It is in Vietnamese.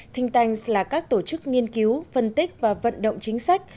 thinh tanks là các tổ chức nghiên cứu phân tích và vận động chính sách